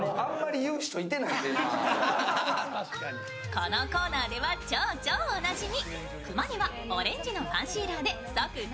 このコーナーでは超超おなじみ。